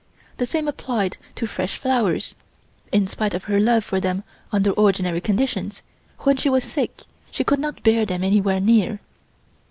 The same applied to fresh flowers; in spite of her love for them under ordinary conditions, when she was sick she could not bear them anywhere near.